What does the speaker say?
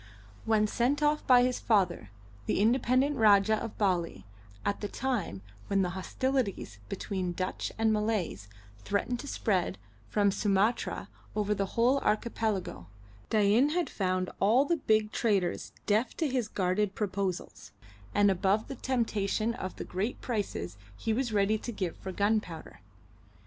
When sent off by his father, the independent Rajah of Bali, at the time when the hostilities between Dutch and Malays threatened to spread from Sumatra over the whole archipelago, Dain had found all the big traders deaf to his guarded proposals, and above the temptation of the great prices he was ready to give for gunpowder.